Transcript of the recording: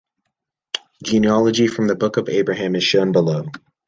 Genealogy from the Book of Abraham is shown below.